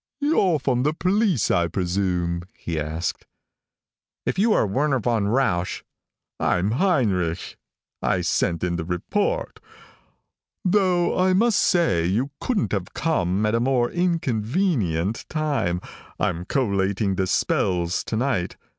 "You're from the police, I presume?" he asked. "If you are Werner von Rausch " "I'm Heinrich. I sent in the report. Though, I must say, you couldn't have come at a more inconvenient time. I'm collating the spells tonight.